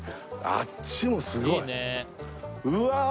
あっちもすごいうわあ